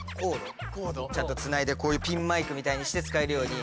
コードちゃんとつないでこういうピンマイクみたいにして使えるように。